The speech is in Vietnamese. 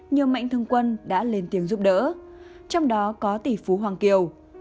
nhiều mạnh thương quân đã lên tiếng giúp đỡ trong đó có tỷ phú hoàng kiều